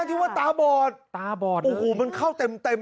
ที่ว่าตาบอดตาบอดโอ้โหมันเข้าเต็มเต็ม